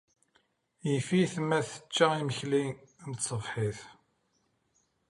Yif-it ma tecca imekli n tṣebḥit.